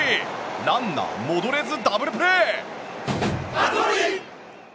ランナー戻れずダブルプレー。